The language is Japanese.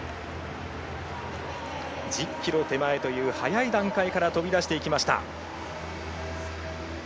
１０ｋｍ手前という早い段階から飛び出していきました。